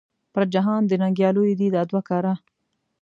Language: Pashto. پر جهان د ننګیالو دې دا دوه کاره .